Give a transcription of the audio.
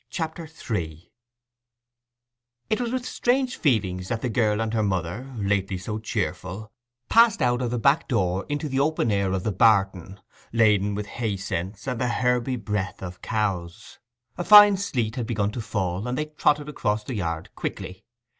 CHAPTER III It was with strange feelings that the girl and her mother, lately so cheerful, passed out of the back door into the open air of the barton, laden with hay scents and the herby breath of cows. A fine sleet had begun to fall, and they trotted across the yard quickly.